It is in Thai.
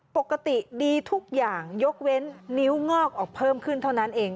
ปกติดีทุกอย่างยกเว้นนิ้วงอกออกเพิ่มขึ้นเท่านั้นเอง